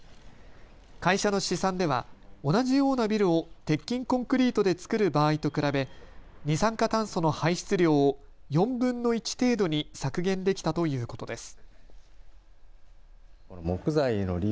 会社の試算では同じようなビルを鉄筋コンクリートで造る場合と比べ二酸化炭素の排出量を４分の１程度に削減できたということです。